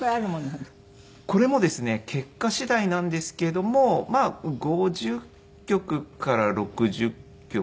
これもですね結果次第なんですけどもまあ５０局から６０局。